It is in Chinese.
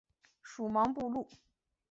属茫部路。